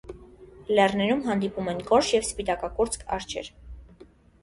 Լեռներում հանդիպում են գորշ և սպիտակակուրծք արջեր։